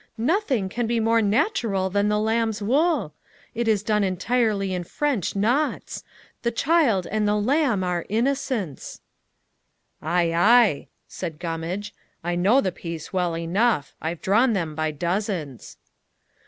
Nothing can be more natural than the lamb's wool. It is done entirely in French knots. The child and the lamb are Innocence." "Ay, ay," said Gummage, "I know the piece well enough I've drawn them by dozens."